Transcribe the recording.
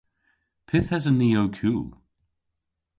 Pyth esen ni ow kul?